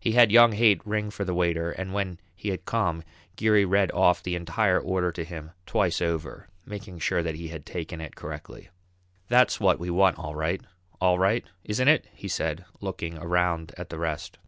He had young Haight ring for the waiter, and when he had come, Geary read off the entire order to him twice over, making sure that he had taken it correctly. "That's what we want all right, all right isn't it?" he said, looking around at the rest.